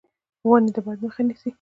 ونې د باد مخه نیسي.